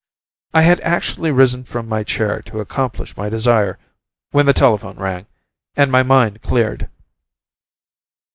I had actually risen from my chair to accomplish my desire, when the telephone rang ... and my mind cleared.